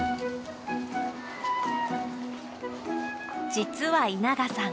実は稲賀さん